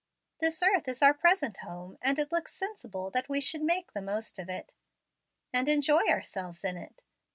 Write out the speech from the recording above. This earth is our present home, and it looks sensible that we should make the most of it, and enjoy ourselves in it.